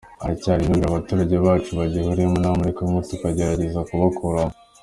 Haracyari imyumvire abaturage bacu bagihuriyeho n’abo muri Congo tugerageza kubakuramo.